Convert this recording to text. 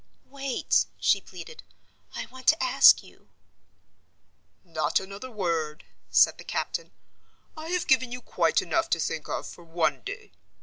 "Wait!" she pleaded. "I want to ask you—" "Not another word," said the captain. "I have given you quite enough to think of for one day.